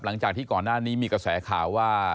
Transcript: หลังจากที่ก่อนหน้านี้มีกระแสข่าวว่า